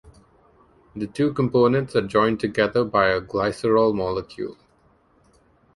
The two components are joined together by a glycerol molecule.